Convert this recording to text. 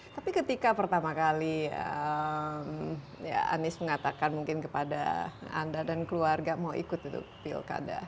tapi ketika pertama kali anies mengatakan mungkin kepada anda dan keluarga mau ikut pilkada